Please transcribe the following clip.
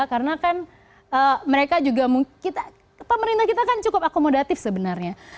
karena kan mereka juga mungkin pemerintah kita kan cukup akomodatif sebenarnya